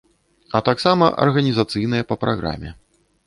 А таксама арганізацыйныя па праграме.